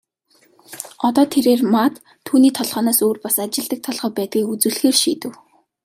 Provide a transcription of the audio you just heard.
Одоо тэрээр Мад түүний толгойноос өөр бас ажилладаг толгой байдгийг үзүүлэхээр шийдэв.